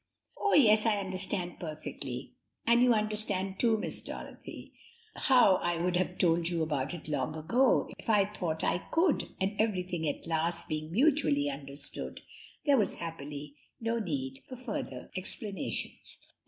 "Oh, yes, I understand perfectly; and you understand too, Miss Dorothy, how I would have told you about it long ago, if I thought I could and everything at last being mutually understood, there was happily no need for further explanations."